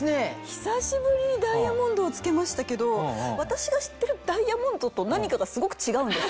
久しぶりにダイヤモンドを着けましたけど私が知ってるダイヤモンドと何かがすごく違うんです。